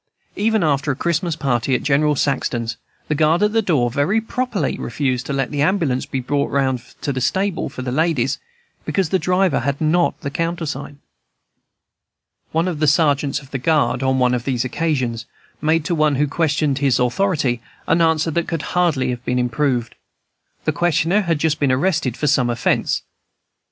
Even after a Christmas party at General Saxton's, the guard at the door very properly refused to let the ambulance be brought round from the stable for the ladies because the driver had not the countersign. One of the sergeants of the guard, on one of these occasions, made to one who questioned his authority an answer that could hardly have been improved. The questioner had just been arrested for some offence.